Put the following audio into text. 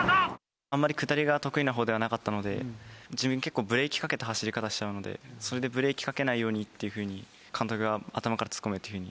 あんまり下りが得意なほうではなかったので、自分、結構ブレーキかけた走り方しちゃうので、それでブレーキかけないようにというふうに、監督が頭から突っ込めっていうふうに。